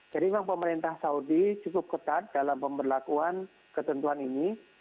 jadi memang pemerintah saudi cukup ketat dalam pemberlakuan ketentuan ini